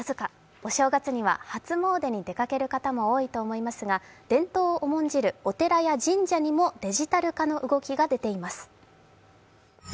お正月には初詣に出かける方も多いと思いますが伝統を重んじるお寺や神社にもデジタル化の動きが出ています。